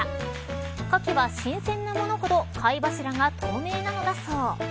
かきは新鮮なものほど貝柱が透明なのだそう。